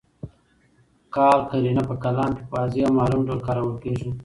قال قرینه په کلام کي په واضح او معلوم ډول کارول کیږي.